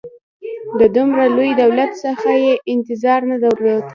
د دومره لوی دولت څخه یې انتظار نه درلود.